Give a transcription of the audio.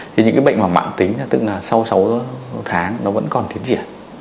thì những cái bệnh mạn tính tức là sau sáu tháng nó vẫn còn tiến triển